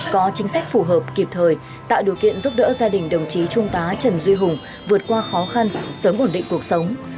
có chính sách phù hợp kịp thời tạo điều kiện giúp đỡ gia đình đồng chí trung tá trần duy hùng vượt qua khó khăn sớm ổn định cuộc sống